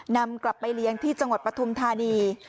นำกลับไปเลี้ยงที่จังหวัดปฐุมธานี